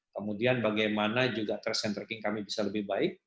kemudian bagaimana juga trace and tracking kami bisa lebih baik